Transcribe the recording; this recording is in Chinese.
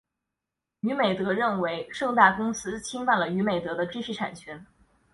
娱美德认为盛大公司侵犯了娱美德的知识产权。